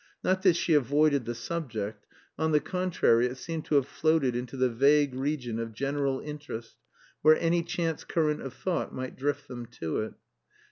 Not that she avoided the subject; on the contrary, it seemed to have floated into the vague region of general interest, where any chance current of thought might drift them to it.